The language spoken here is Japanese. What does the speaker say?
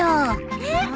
えっ？